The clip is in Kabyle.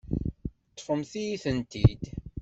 Ṭṭfemt-iyi-tent-id.